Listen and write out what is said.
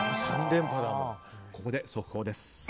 ここで速報です。